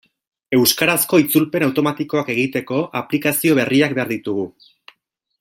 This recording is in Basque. Euskarazko itzulpen automatikoak egiteko aplikazio berriak behar ditugu.